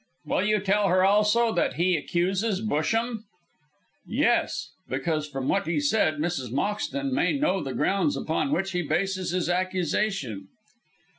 "Will you tell her also that he accuses Busham?" "Yes! because from what he said, Mrs. Moxton may know the grounds upon which he bases his accusation."